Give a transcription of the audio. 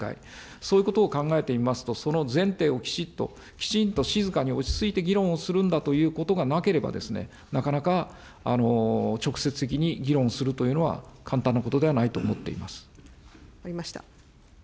そういうことを考えてみますと、その前提をきちっと、きちんと静かに落ち着いて議論をするんだということがなければ、なかなか、直接的に議論するというのは簡単なことではないと思っています。